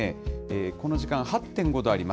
この時間、８．５度あります。